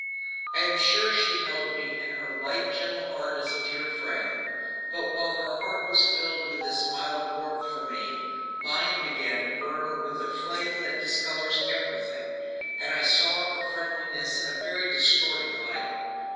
I am sure she held me in her light, gentle heart as a dear friend, but while her heart was filled with this mild warmth for me, mine began to burn with the flame that discolors everything, and I saw her friendliness in a very distorting light.